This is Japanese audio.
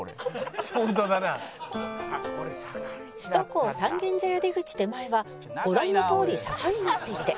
「首都高三軒茶屋出口手前はご覧のとおり坂になっていて」